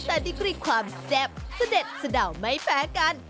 แต่ดิกรีความแซ่บเสด็จสะดาวไม่แพ้กัน